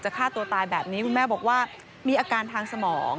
ฆ่าตัวตายแบบนี้คุณแม่บอกว่ามีอาการทางสมอง